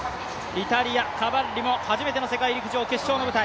イタリア、カバッリも初めての世界陸上決勝の舞台。